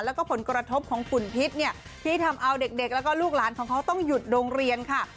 แล้วก็ผลกระทบของฝุ่นพิษเนี่ยที่ทำเอาเด็กแล้วก็ลูกหลานของเขาต้องหยุดโรงเรียนค่ะ